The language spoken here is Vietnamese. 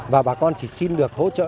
và bà con chỉ xin được hỗ trợ